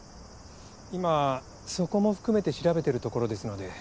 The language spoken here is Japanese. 今そこも含めて調べてるところですので。